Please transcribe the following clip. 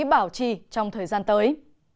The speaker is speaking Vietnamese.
các cơ quan quản lý bảo trì trong thời gian tới